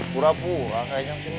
pura pura kayaknya masih manis